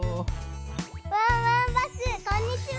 ワンワンバスこんにちは！